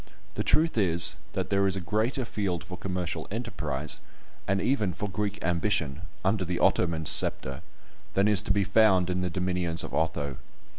The truth is, that there is a greater field for commercial enterprise, and even for Greek ambition, under the Ottoman sceptre, than is to be found in the dominions of Otho.